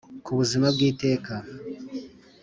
Ku buzima bw iteka